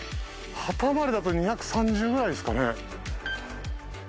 旗までだと２３０くらいですかね。